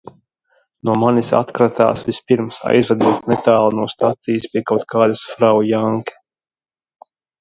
"No manis "atkratās" vispirms, aizvedot netālu no stacijas pie kaut kādas Frau Janke."